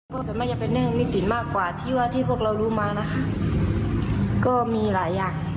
ก็ส่วนมากจะเป็นเรื่องหนี้สินมากกว่าที่ว่าที่พวกเรารู้มานะคะก็มีหลายอย่าง